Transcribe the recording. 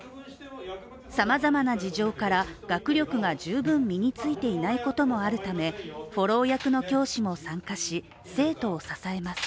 さまざまな事情から、学力が十分、身についていないこともあるためフォロー役の教師も参加し、生徒を支えます。